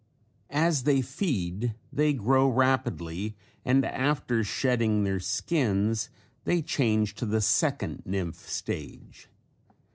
As they feed they grow rapidly and after shedding their skins they change to the second nymph stage.